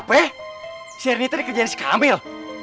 apa si arnita dikejarin si kamil